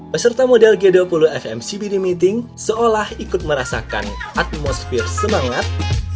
peserta model g dua puluh fmcbd meeting seolah ikut merasakan atmosfer semangat